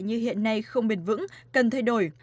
như hiện nay không bền vững cần thay đổi